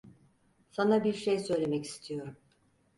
Sana bir şey söylemek istiyorum.